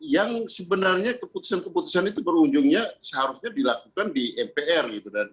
yang sebenarnya keputusan keputusan itu berujungnya seharusnya dilakukan di mpr gitu